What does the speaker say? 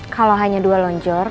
kalau hanya dua lonjor